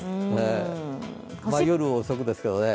夜遅くですけどね。